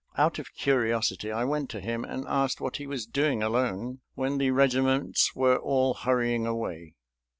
Out of curiosity I went to him and asked what he was doing alone when the regiments were all hurrying away.